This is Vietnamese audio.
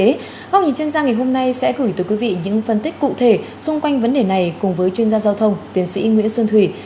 ngọc nhị chuyên gia ngày hôm nay sẽ gửi tới quý vị những phân tích cụ thể xung quanh vấn đề này cùng với chuyên gia giao thông tiến sĩ nguyễn xuân thùy